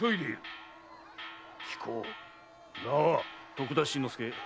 徳田新之助。